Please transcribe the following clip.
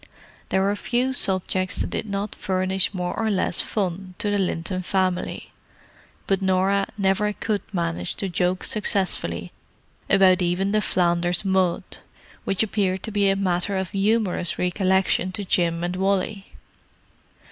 There were few subjects that did not furnish more or less fun to the Linton family; but Norah never could manage to joke successfully about even the Flanders mud, which appeared to be a matter for humorous recollection to Jim and Wally.